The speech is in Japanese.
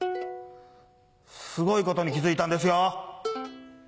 すごいことに気付いたんですよ！